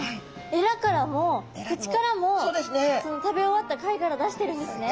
エラからも口からも食べ終わった貝殻出してるんですね。